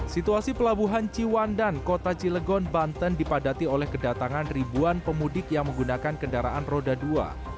situasi pelabuhan ciwandan kota cilegon banten dipadati oleh kedatangan ribuan pemudik yang menggunakan kendaraan roda dua